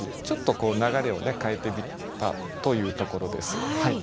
ちょっと流れを変えてみたというところです。